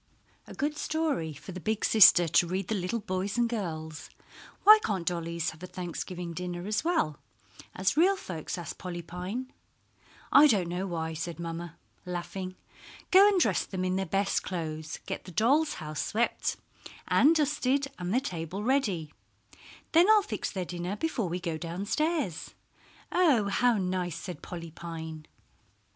A good story for the Big Sister to read to the little boys and girls. "Why can't dollies have a Thanksgiving dinner as well as real folks?" asked Polly Pine. [Footnote 29: From "For the Children's Hour," Milton Bradley Company.] "I don't know why," said mamma, laughing; "go and dress them in their best clothes, get the dolls' house swept and dusted and the table ready. Then I'll fix their dinner before we go downstairs." "Oh, how nice!" said Polly Pine.